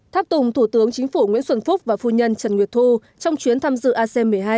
tháp tùng thủ tướng chính phủ nguyễn xuân phúc và phu nhân trần nguyệt thu trong chuyến tham dự ac một mươi hai